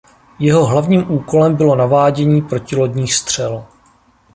Jeho hlavním úkolem bylo navádění protilodních střel.